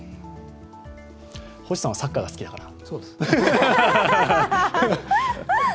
星さんはサッカーが好きだから。